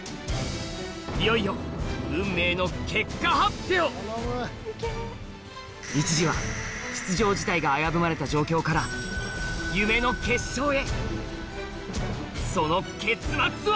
いよいよ運命の結果発表一時は出場自体が危ぶまれた状況から夢の決勝へ！